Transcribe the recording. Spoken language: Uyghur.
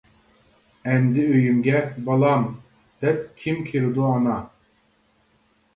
ئەمدى ئۆيۈمگە «بالام! » دەپ كىم كىرىدۇ ئانا.